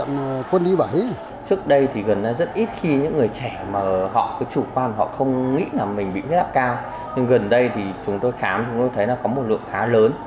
nhưng gần đây thì chúng tôi khám chúng tôi thấy là có một lượng khá lớn